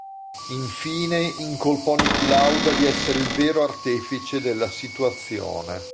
Infine incolpò Niki Lauda di essere il vero artefice della situazione.